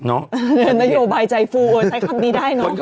นโยบายใจฟูใช้คำนี้ได้เนอะ